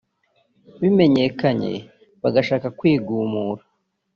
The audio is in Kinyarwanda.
bimenyekanye bagashaka kwigumura